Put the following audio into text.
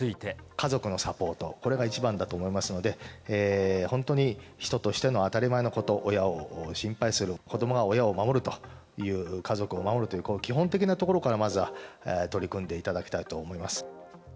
家族のサポート、これが一番だと思いますので、本当に人としての当たり前のこと、親を心配する、子どもが親を守るという、家族を守るという、基本的なところから、まずは取り組んでいただきたいと思います。